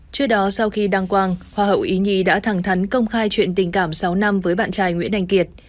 trước đó sau khi đăng quang hoa hậu ý nhi đã thẳng thắn công khai chuyện tình cảm sáu năm với bạn trai nguyễn anh kiệt